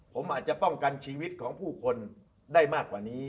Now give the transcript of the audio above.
ผมอาจจะป้องกันชีวิตของผู้คนได้มากกว่านี้